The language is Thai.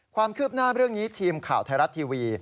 ความคืบหน้าเรื่องนี้ทีมข่าวไทยรัฐทีวี